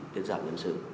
tiết giảm nhiên sự